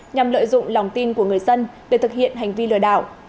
nhằm lợi dụng lòng tin của người dân để thực hiện hành vi lừa đảo